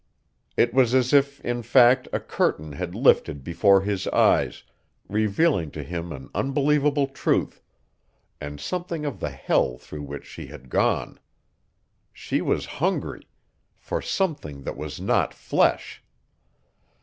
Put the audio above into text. It was as if, in fact, a curtain had lifted before his eyes revealing to him an unbelievable truth, and something of the hell through which she had gone. She was hungry FOR SOMETHING THAT WAS NOT FLESH!